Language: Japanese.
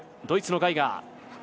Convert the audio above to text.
ドイツのガイガー。